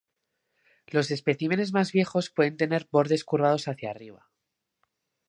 Los especímenes más viejos pueden tener bordes curvados hacia arriba.